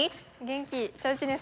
元気。